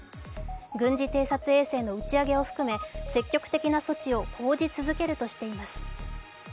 軍事偵察衛星の打ち上げを含め、積極的な措置を講じ続けるとしています。